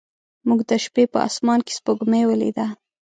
موږ د شپې په اسمان کې سپوږمۍ ولیده.